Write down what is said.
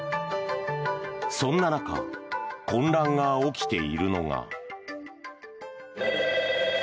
そんな中混乱が起きているのが。